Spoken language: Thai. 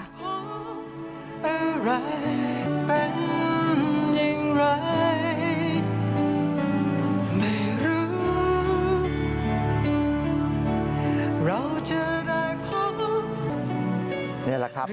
นี่แหละครับ